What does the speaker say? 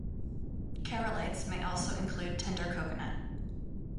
Keralites may also include tender coconut.